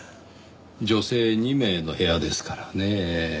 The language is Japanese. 女性２名の部屋ですからねぇ。